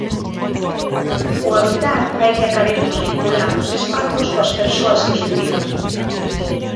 O habitar fai que acabemos vinculando os espazos coas persoas que os viviron.